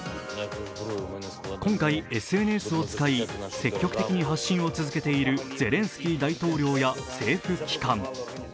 今回ＳＮＳを使い積極的に発信を続けているゼレンスキー大統領や政府機関。